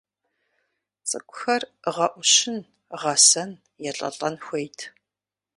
Цӏыкӏухэр гъэӀущын, гъэсэн, елӀэлӀэн хуейт.